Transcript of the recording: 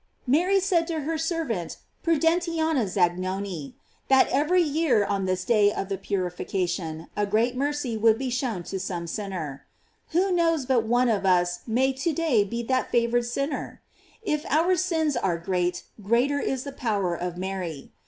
Mary said to her servant Prudentiana Zagnoni,J that every year, on this day of the purification, a great mercy would be shown to some sinner. Who knows but one of us may to day be that favored sinner? If our sins are great, greater is the power of Mary.